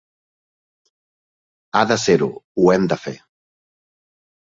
Ha de ser-ho; ho hem de fer.